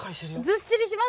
ずっしりします？